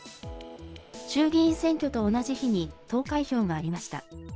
衆議院選挙と同じ日に、投開票がありました。